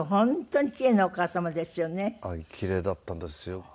キレイだったんですよ。